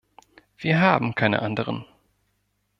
Wir haben keine anderen.